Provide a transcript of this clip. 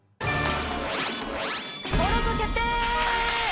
登録決定！